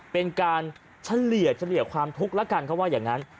เป็นการเฉลี่ยความทุกข์แล้วกันเขาว่าอย่างนั้น